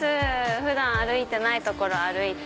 普段歩いてない所歩いて。